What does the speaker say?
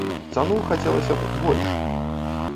Цану хацелася б больш.